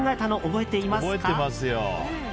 覚えていますよ。